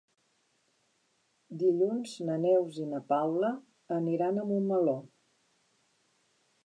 Dilluns na Neus i na Paula aniran a Montmeló.